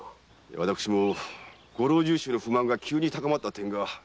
私もご老中衆の不満が急に高まった点が腑に落ちません。